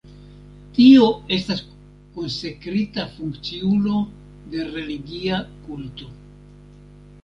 Tio estas konsekrita funkciulo de religia kulto.